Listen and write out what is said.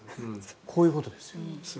こういうことですよ。